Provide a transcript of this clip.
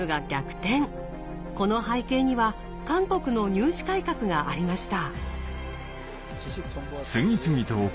この背景には韓国の入試改革がありました。